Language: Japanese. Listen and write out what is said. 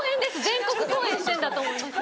全国公演してんだと思います。